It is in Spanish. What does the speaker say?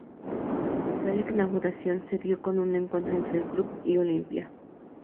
Tal inauguración se dio con un encuentro entre el club y Olimpia.